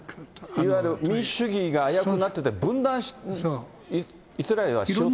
いわゆる民主主義が危うくなっていて、分断、イスラエルはしようとしていた。